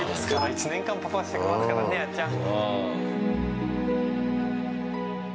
１年間パパしてますからね、アちゃん。